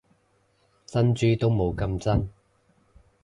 珍珠都冇咁真